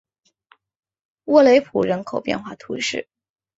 沃雷普人口变化图示